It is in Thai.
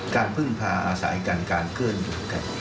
การพึ่งพาสายกันการเคลื่อนรุกกัน